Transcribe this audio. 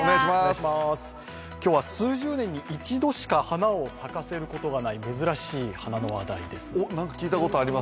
今日は数十年に一度しか花を咲かせることのない珍しい花の話題です。